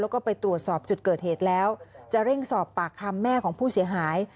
แล้วก็ไปตรวจสอบจุดเกิดเหตุแล้วจะเร่งสอบปากคำแม่ของผู้เสียหาย